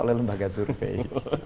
oleh lembaga survei